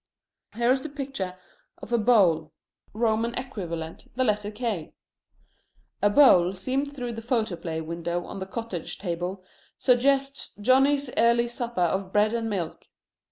Here is the picture of a bowl: Roman equivalent, the letter K. A bowl seen through the photoplay window on the cottage table suggests Johnny's early supper of bread and milk.